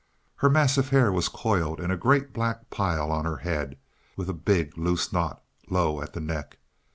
Her mass of hair was coiled in a great black pile on her head, with a big, loose knot low at the neck.